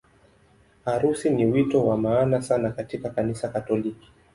Harusi ni wito wa maana sana katika Kanisa Katoliki.